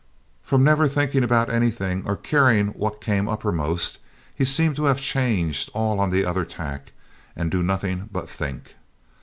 From never thinking about anything or caring what came uppermost, he seemed to have changed all on the other tack and do nothing but think.